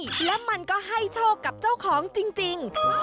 แล้วมันก็ให้โชคกับเจ้าของจริง